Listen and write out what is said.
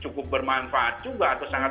cukup bermanfaat juga atau sangat